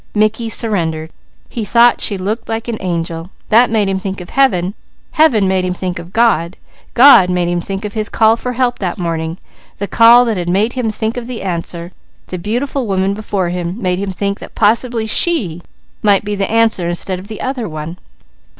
Mickey surrendered. He thought she was like an angel, that made him think of Heaven, Heaven made him think of God, God made him think of his call for help that morning, the call made him think of the answer, the beautiful woman before him made him think that possibly she might be the answer instead of the other one.